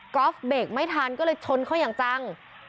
อล์ฟเบรกไม่ทันก็เลยชนเขาอย่างจัง